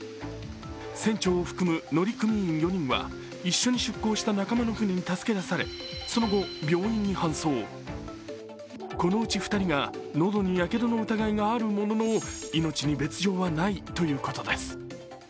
船長を含む乗組員４人は一緒に出港した仲間の船に助けられ病院に搬送、このうち２人が喉にやけどの疑いがあるものの命に別状はないということです。